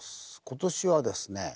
今年はですね